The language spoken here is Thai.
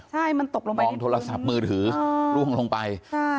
ใช่มันตกลงไปอ๋อใช่